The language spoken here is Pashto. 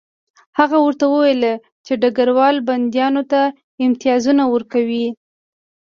هغه ورته وویل چې ډګروال بندیانو ته امتیازونه ورکوي